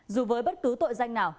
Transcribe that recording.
dù với bất cứ tội danh nào